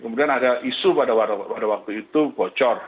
kemudian ada isu pada waktu itu bocor